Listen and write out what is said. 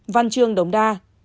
văn trương đồng đa